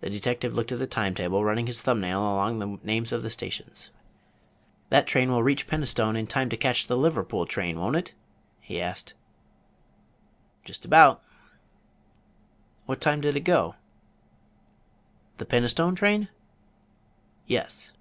The detective looked at the time table, running his thumb nail along the names of the stations. "That train will reach Penistone in time to catch the Liverpool train, won't it?" he asked. "Just about." "What time did it go?" "The Penistone train?" "Yes."